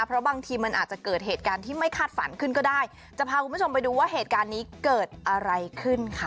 เพราะบางทีมันอาจจะเกิดเหตุการณ์ที่ไม่คาดฝันขึ้นก็ได้จะพาคุณผู้ชมไปดูว่าเหตุการณ์นี้เกิดอะไรขึ้นค่ะ